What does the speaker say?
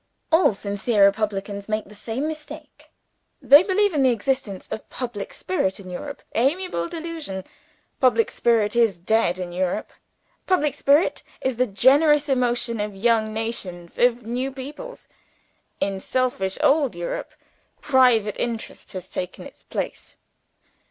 All sincere republicans make the same mistake. They believe in the existence of public spirit in Europe. Amiable delusion! Public spirit is dead in Europe. Public spirit is the generous emotion of young nations, of new peoples. In selfish old Europe, private interest has taken its place.